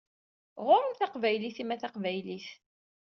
Ɣur-m taqbaylit-im a taqbaylit!